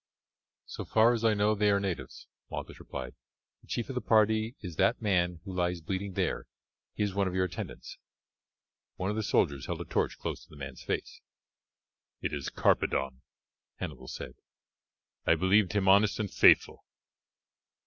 "So far as I know they are natives," Malchus replied. "The chief of the party is that man who lies bleeding there; he is one of your attendants." One of the soldiers held a torch close to the man's face. "It is Carpadon," Hannibal said. "I believed him honest and faithful."